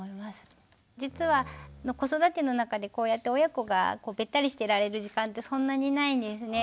実は子育ての中でこうやって親子がべったりしてられる時間ってそんなにないんですね。